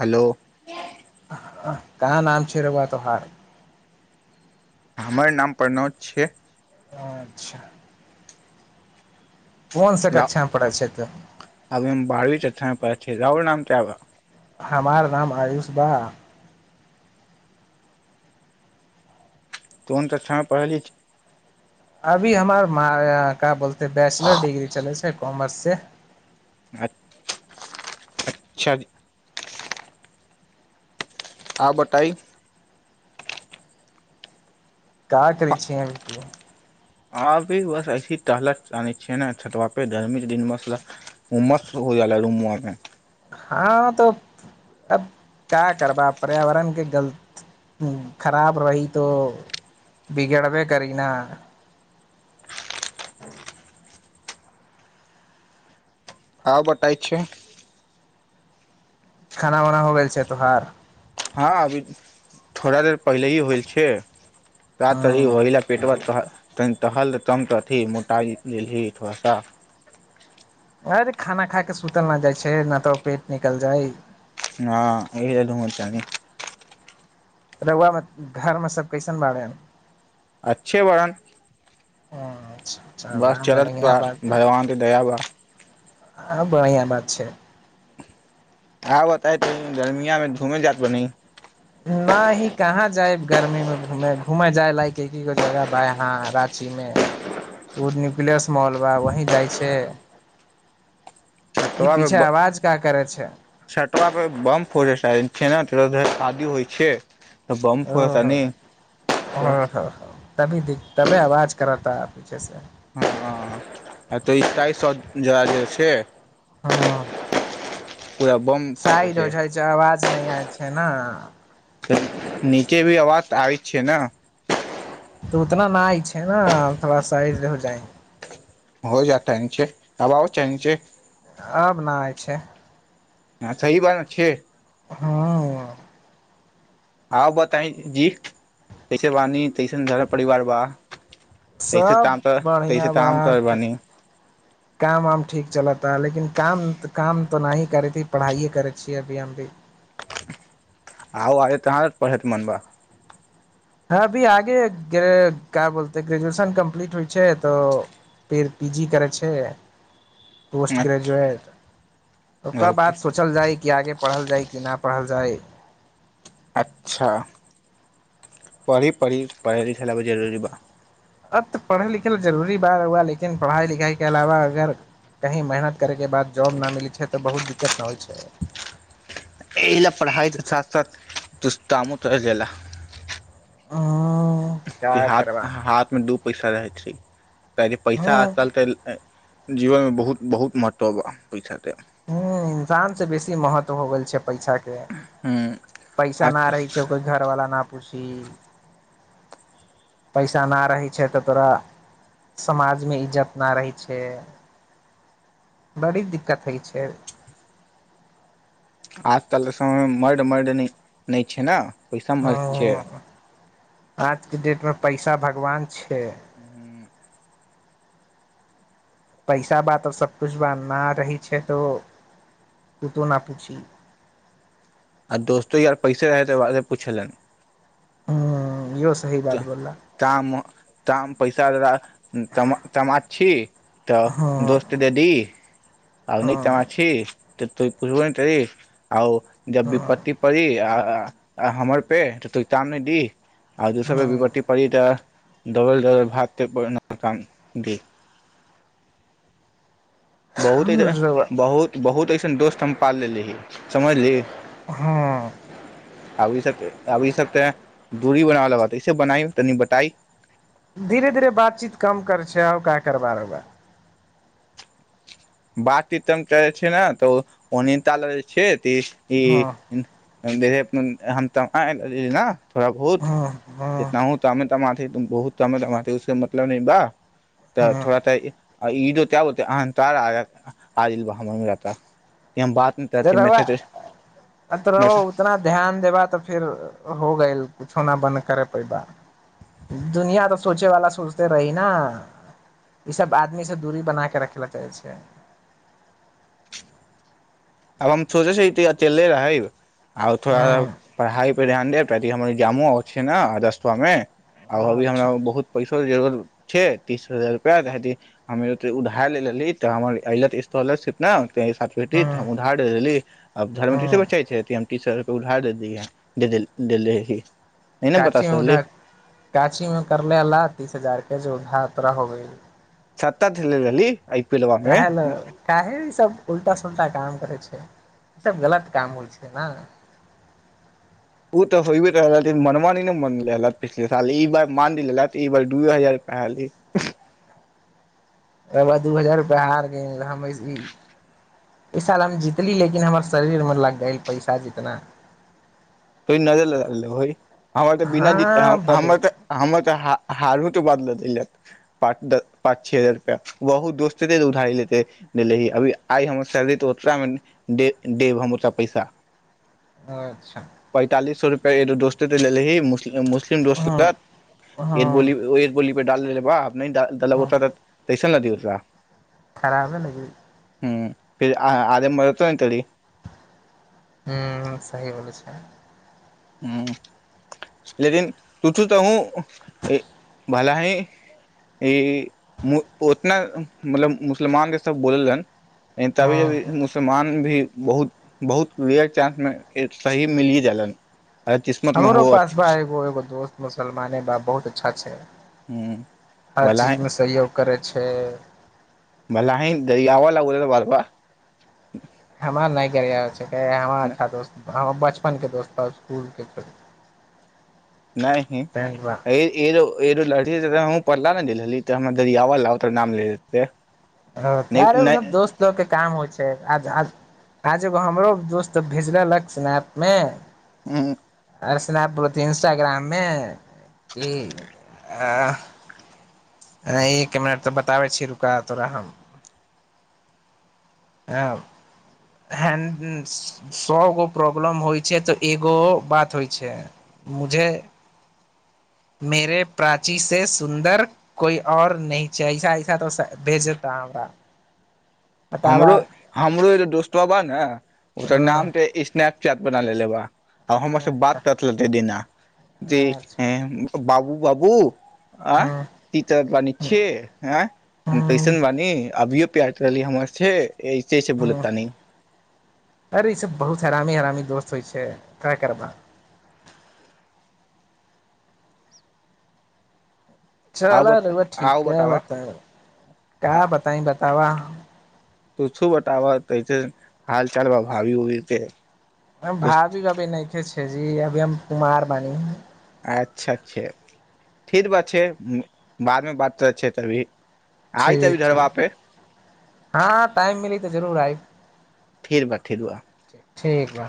Hello काँ नाम छै रौआ तोहार हमर नाम प्रनोद छै अच्छा कोन सा कक्षा मे पढ़ै छै तू अभी हम बारहवीं कक्षा मे पढ़ैय छियै राउर नाम क्या हुआ हमार नाम आयुष बा कोन कक्षा मे पढ़ैय छियै अभी हमार म का बोलत तऽ बैचलर डिग्री चलै छै कॉमर्ससे अच्छा जी आओर बताई का करै छै एम तू आ अभी बस ऐसी टहल जानै ने छट पे गर्मी दिन मे उमस हो जाएला रुम मे हँ तऽ अब क्या करबा पर्यावरणके गल खराब रही तो बिगड़बे करी न आओर बताय छै खाना वना हो गेल छै तो हार हँ अभी थोड़ा देर पहिले ही होइल छो त ती ह वहिला पेटवत टहल तनी मोटा गेलही थोड़ासा अरे खाना खा के सुतल न जाय छै न तऽ पेट निकल जाय हँ एहि तनी रहुआ घरमे सब कैसन बारे अच्छे बात अच्छा बा बस चल चलत बढ़िया बा भगवान के दया बा आँ बढ़िआ बात छै हँ बताय त गर्मिया मे घूम जातह नही कहाँ जाय गर्मीमे घूमय घूमय जाय लायक एक गो जगह बा हा राँची मे ओ न्यूक्लियस मॉल बा वही जाइ छै ई छतबा पीछे पर आवाज का करे छै छतबा पे बम फोरेस् छै ने शादि होइ छै तऽ बम ओ फोड़े ह तनी ह तो ह ती द ती आवाज कराता ह पीछे से हँ तऽ ईटाइ स जरा जे छै हँ पूरा बम साइडो फूटे हो जाय छै अवाज नहि आय छै ने नीचे भी अवाज आब छै ने तऽ उतना न इ छै ने थोड़ा साइड हो जाए हो जात छै आब आ छै छै आब ना आय छै हँ सह बात छै हँ आ बतइ जी तैस बणी तैसरा परिवार बा तैसे सब ताम त तैसे बढ़िआ बा ताम तर बानी काम वाम ठीक चलता लेकिन काम काम तऽ नहि ही करै छी पढ़ाइयए करै छियै अभी हम भी आउ आगे तहाँ पढ़ेके मनबा हँ अभी आगे क्या बोलते ग्रेजुएशन कम्प्लीट होइ छै तऽ फेर पी जी करै छै पोस्ट बा ग्रेजुएट ओकर बात सोचल जाय कि आगे पढ़ल जाय कि नहि पढ़ल जाय अच्छा पढ़ि पढ़ि पढ़ लिख लब जरूरी ब अब तऽ पढ़य लिखय जरूरी बात हुआ लेकिन पढ़ाइ लिखाइके अलावा अगर कहीँ मेहनत करयके बाद जॉब नहि मिलै छै तऽ बहुत दिक्कत नहि होइ छै तुस्ताम त जेल आ कि हाथ हाथ मे डूब पैसा रहैत छै क जे ह पैसा आल तऽ जीवन मे बहुत बहुत महत्व पैसाते ह इंसान से बेसी महत्व हो गेल छै पैसा के हूँ पैसा आ न रहे छै कोई घर वाला न पूी पैसा नहि रहै छै तऽ तोरा समाजमे इज्जत नहि रहै छ बड़ी दिक्कत होइ छै फेर आजकल समयमे मर्ड मर्द नहि छै ने पैसा मर छै हँ आज के डेट मे पैसा भगवान छै छ पैसा सभ किछु छै न, रहैत छै तऽ तू नहि पुछिहें। आ दोस्तो यार पैसे रहै तऽ बारसँ पुछलनि ह यहो त काम ताम पैसा दा मा तमा छी तऽ हँ दोस्त देदी आब नहि हँ तमा छी त तो पुछब ने ती आउ जब विपत्ति पड़ी आ अ हमर पे तऽ तु काम नहि दि आ जेसाबे विवरती पारिऽ दबल दबल भात त ब नड़ काम देि बहुत बहुत बहुत असन दोस्त हम पाल लेली समझली आब ई सभ सँ तऽ दूरी बना लिअ, ई बनाबि कऽ तनि बताउ। धीरे-धीरे बातचीत कम करैत छी आ कारोबारो क बात तीन करै छै, ने तऽ अनता ल छै। त ई हँ हम त ने थोड़ा बहुत हँ हँ जितना हु तऽ तमाथि तऽ बहुत तम-तमाथी, ओकर मतलब नहि बा। तऽ हँ थोड़ा त आ ईहो तऽ होइतै अहाँ तरह आ। आदिल बह मन रहा तऽ रहबा आ तऽ ओतबे ध्यान देबा, तऽ फेर भऽ जाएत। किछु नहि, की करब? दुनिया तऽ सोचै वाला सोचैत रहत। ई सभ आदमी सँ दूरी बना कऽ राखि लेबाक चाही। अब हम सोचे छै च ले रहै आ थोड़ा ह पढ़ाई पर ध्यान दे पड़त हम जामो अ छै, ने रजटमे आब अभी हमरा अच्छा बहुत पैसो जरत छै तीस हजार रुपआ हम उधार लेल रहली तऽ हमर अले त स्कॉलरशिप ने तें साथ ह भेटित हम उधार लेलहुँ, आब धर्म ह तऽ ई चाहैत अछि। सरके उला दे दी हैी काछी मे उधर काछी मे करले ला तीस हजार के जे उधार खतरा हो गेलै सत दिलल कह ल काह सब उलटा सुलटा काम करै छै ई सब गलत काम होइ छै ने ओ तऽ होे रहल लेकिन मनमानी नहि मन पिछले साल ई बार मान लेलत ई बार दूए हजार रुपा हली ओकराद दू हजार रुपैआ हारि गेल हम अस एहि साल हम जीतली लेकिन हमर शरीरमे लागि गेल पैसा जितना कोई नजर लगा देने होय हमर तऽ बिना द हँ बड हमर तऽ हमर तऽ हारउ बाद दल जात पाँच द पाँच छओ हजार रुपआ वहु दोस्तेे उधारी लेेे अभी आइ हमर सैलरी त ओत मे दे देब हम ओरा पैसा हँ अच्छा पैंतालि सए रुपआ एो्तेऽ दोस्त सँ लेलेही मु मुस्लिम दोस्त कें हँ साथ एग बोली हँ एग बोली डाल देले बाप नहि डालब होता हेय चल न देियौ तोरा खाराबे न गेल हुँ फेर आरे मरत ने तरी हुँ सही बोलै छै हुँ लेकिन तूछु तऽ हू भला ही ई उतना मतलब मुसलमान के सब बोललन ह तभी अभी मुसलमान भी बहुत बहुत रेयर चान्समे सही मिलिय जालन अगर किस्मत मे हमरो हो पास भा एगो एगो दोस्त मुसलमाने बा बहुत अच्छा छै हुँ हर चीज भलाहिं मे सहयोग करै छै भलाहिं गरियाब ओ अलग बातबा भ नहि गरियाब छै कहैय हमार अच्छा दोस्तबा हँ बचपनके दोस्ता इसकुलके नहि ऐ ऐ ऐलोग लरहि हमहूँ पला ने दल तऽ हमरा गरीयाब ल तऽ नाम ले लतै हँ ट तार सब दोस्त के काम होइ छै आ आ आज एगो हमरो दोस्त भेजलक स्नैपमे हँ आर सनप इन्स्टाग्राममे कि एक मिनट तऽ बताबै छी रुका तोरा हम हँ सौ गो प्रॉब्लम होइ छै तऽ एगो बात होइ छै मुझे मेेरे प्राची से सुन्दर कोइ आओर न छैऐसा ऐसा तऽ भेजता हमरा बताबा हमरो हमरो दोस्तो बाबा ने ओकर हँ नामे स्नप चाट बनालै बा आ हमर से अच्छा बात करत रहते देना जे अच्छा बाबू बाबू अ हँ ती बानी छिय ए कैसन हँ बानी अभियो प्यारट रहली हमर सस बोल हँ तानी यारामी दोस्त होइ छै काय करब आउ बता चलर आउ ठीक ह बताब बता क बताई बतावा तू सु बताब तै हाल चाल ब भावी ओी छै भावी भभी नहि खे छै जी अभी हम कुमार बानी है अच्छा अच्छा ठर बात छै बादमे बात करै छै तभी आइ ठीक तभी घरबा ठीक पे हँ टाइम मिली तऽ जरूर आइ फर बा रोा ठीक ब